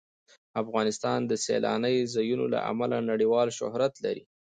افغانستان د سیلاني ځایونو له امله نړیوال شهرت لري.